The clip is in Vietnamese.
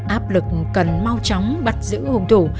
áp lực cần mau chóng bắt giữ hùng thủ